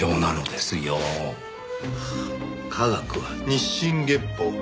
科学は日進月歩。